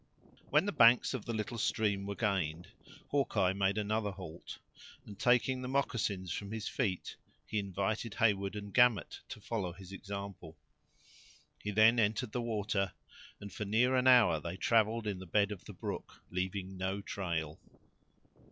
When the banks of the little stream were gained, Hawkeye made another halt; and taking the moccasins from his feet, he invited Heyward and Gamut to follow his example. He then entered the water, and for near an hour they traveled in the bed of the brook, leaving no trail.